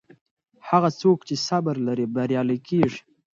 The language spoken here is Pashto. هغه څوک چې صبر لري بریالی کیږي.